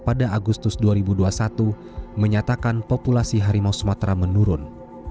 pada agustus dua ribu dua puluh satu menyatakan populasi harimau sumatera menurun